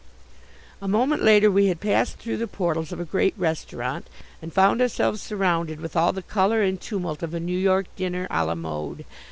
A moment later we had passed through the portals of a great restaurant, and found ourselves surrounded with all the colour and tumult of a New York dinner a la mode.